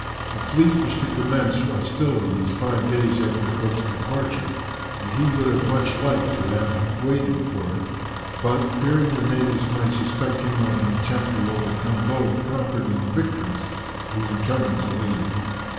The fleet was to commence hostilities five days after Cook's departure, and he would much have liked to have waited for it; but, fearing the natives might suspect him of an attempt to overcome both conquered and victors, he determined to leave.